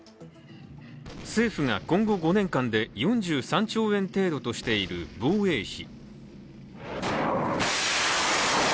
政府が今後５年間で４３兆円程度としている防衛費。